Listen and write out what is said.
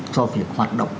cho việc hoạt động